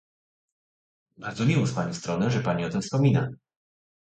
Bardzo miło z pani strony, że pani o tym wspomina